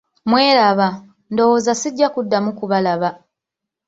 Mweraba, ndowooza sijja kuddamu kubalaba!